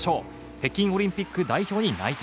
北京オリンピック代表に内定。